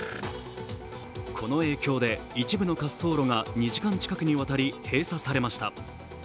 この影響で一部の滑走路が２時間近くにわたり閉鎖されました。